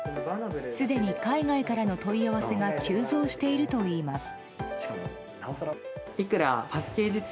すでに海外からの問い合わせが急増しているといいます。